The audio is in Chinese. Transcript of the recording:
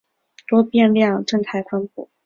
多变量正态分布亦称为多变量高斯分布。